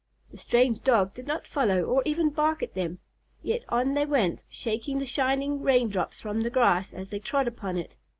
The strange Dog did not follow or even bark at them, yet on they went, shaking the shining rain drops from the grass as they trod upon it.